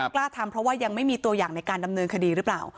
กล้าทำเพราะว่ายังไม่มีตัวอย่างในการดำเนินคดีหรือเปล่า